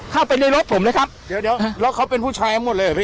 เข้าไปในรถผมเลยครับเดี๋ยวแล้วเขาเป็นผู้ชายหมดเลยเหรอพี่